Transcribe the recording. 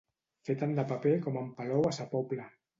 Fer tant de paper com en Palou a Sa Pobla.